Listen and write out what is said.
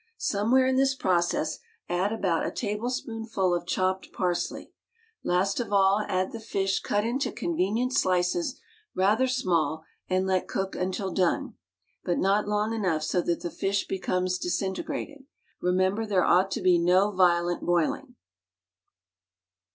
Some where in this process add about a tablespoonful of chopped parsley. Last of all, add the fish cut into convenient slices rather small, and let cook until done, but not long enough so that the fish becomes disintegrated. Remember there ought to be no violent boiling.